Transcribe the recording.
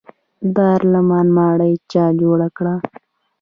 دارالامان ماڼۍ چا جوړه کړه؟